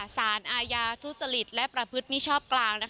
สารอาญาทุจริตและประพฤติมิชอบกลาง